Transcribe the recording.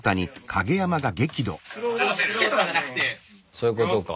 そういうことか。